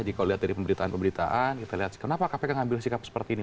jika lihat dari pemberitaan pemberitaan kita lihat kenapa kpk ngambil sikap seperti ini